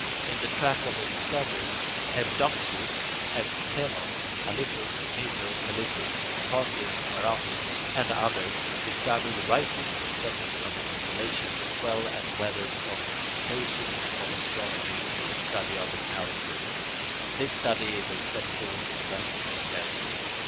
In the track of their discoveries, Eudoxus, Euctemon, Callippus, Meto, Philippus, Hipparchus, Aratus, and others discovered the risings and settings of the constellations, as well as weather prognostications from astronomy through the study of the calendars, and this study they set forth and left to posterity.